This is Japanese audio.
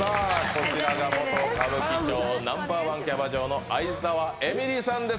こちらが元歌舞伎町Ｎｏ．１キャバ嬢の愛沢えみりさんです